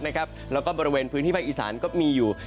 แล้วก็บริเวณพื้นที่ภาคอีสานก็มีอยู่